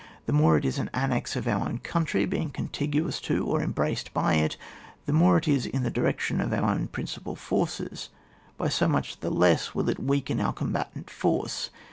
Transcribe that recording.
The more it is an annex of our own country, being con* tiguous to or embraced by it, the more it is in the direction of our principal force, by so much the less will it weaken our combatant force.